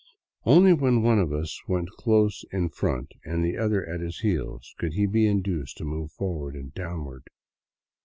Only when one of us went close in front and the other at his heels could he be induced to move forward and downward.